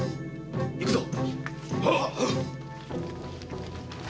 行くぞ！